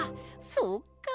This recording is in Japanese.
そっか。